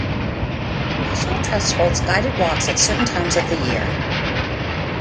The National Trust holds guided walks at certain times of the year.